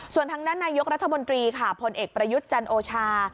ส่วนทางด้านนายกรัฐมนตรีค่ะผลเอกประยุทธ์จันโอชา